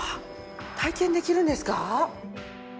体験できるんですか？